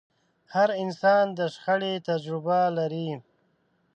هر انسان د شخړې تجربه لري.